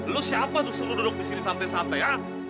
lu siapa tuh suruh duduk di sini santai santai ya